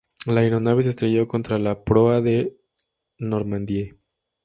La aeronave se estrelló contra la proa del "Normandie".